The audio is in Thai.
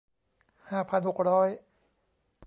ห้าพันหกร้อย